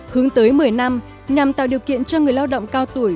hướng tới một mươi năm nhằm tạo điều kiện cho người lao động cao tuổi